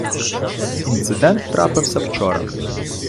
Інцидент трапився вчора.